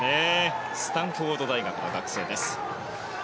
スタンフォード大学の学生です。